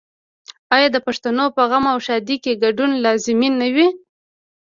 آیا د پښتنو په غم او ښادۍ کې ګډون لازمي نه وي؟